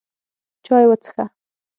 چای وڅښه!